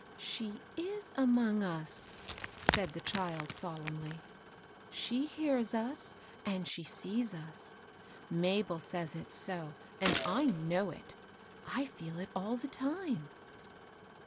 " She t« among us," said the child, solemnly ;^^ she hears us, and she sees us. Mabel says it's so, and I krunv it. I feel it all the time."